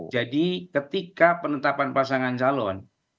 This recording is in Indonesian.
jadi ketika penetapan pasangan calon